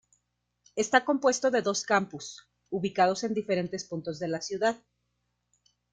Está compuesto de dos campus, ubicados en diferentes puntos de la ciudad.